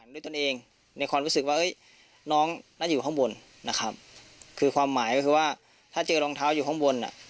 ตนเองในความรู้สึกว่าน้องน่าจะอยู่ข้างบนนะครับคือความหมายก็คือว่าถ้าเจอรองเท้าอยู่ข้างบนอ่ะ